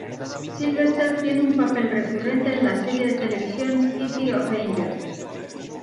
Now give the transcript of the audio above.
Sylvester tiene un papel recurrente en la serie de televisión "City of Angels".